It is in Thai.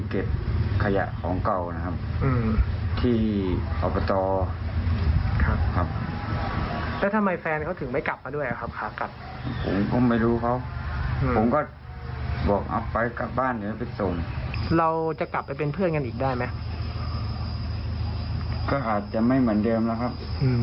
ก็อาจจะไม่เหมือนเดิมแล้วครับ